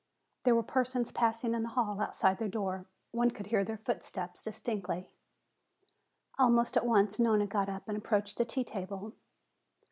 There were persons passing in the hall outside their door. One could hear their footsteps distinctly. Almost at once Nona got up and approached the tea table.